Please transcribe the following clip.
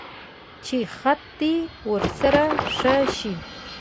چې خط دې ورسره ښه شي.